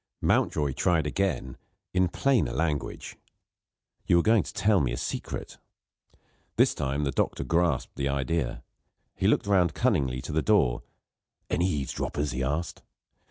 Mountjoy tried again in plainer language: "You were going to tell me a secret." This time, the doctor grasped the idea. He looked round cunningly to the door. "Any eavesdroppers?" he asked.